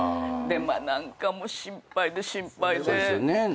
何かもう心配で心配で。